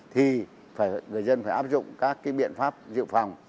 thì người dân phải áp dụng các biện pháp dự phòng